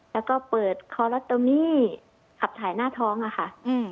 แล้วก็เปิดคอโรตมีขับถ่ายหน้าท้องค่ะ